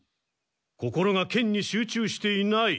心が剣に集中していない。